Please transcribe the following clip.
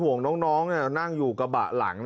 แล้วผมเป็นห่วงน้องนางอยู่กระบะหลัง